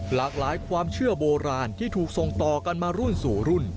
หลากหลายความเชื่อโบราณที่ถูกส่งต่อกันมารุ่นสู่รุ่น